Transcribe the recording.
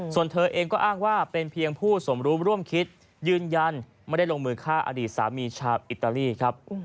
ส่วนเธอเองก็อ้างว่าเป็นเพียงผู้สมรู้ร่วมคิดยืนยันไม่ได้ลงมือฆ่าอดีตสามีชาวอิตาลีครับ